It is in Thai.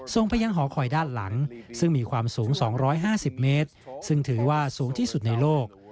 ไปยังหอคอยด้านหลังซึ่งมีความสูง๒๕๐เมตรซึ่งถือว่าสูงที่สุดในโลก